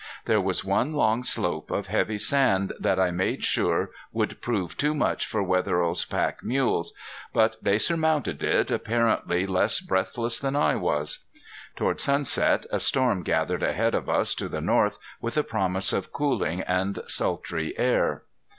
There was one long slope of heavy sand that I made sure would prove too much for Wetherill's pack mules. But they surmounted it apparently less breathless than I was. Toward sunset a storm gathered ahead of us to the north with a promise of cooling and sultry air.